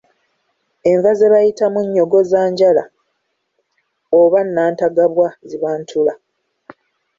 Enva ze bayita munnyogozanjala oba nantagabwa ziba ntula.